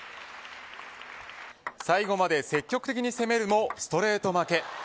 最後まで積極的に攻めるもストレート負け。